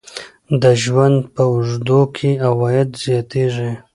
د ژوند په اوږدو کې عواید زیاتیږي.